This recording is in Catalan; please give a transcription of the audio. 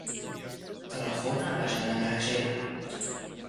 Telefona a la Jana Gragera.